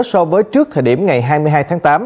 so với trước thời điểm ngày hai mươi hai tháng tám